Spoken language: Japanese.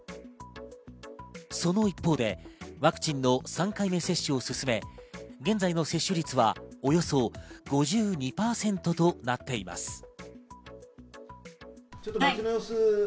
その一方でワクチンの３回目接種を進め、現在の接種率はおよそ５２％となっています。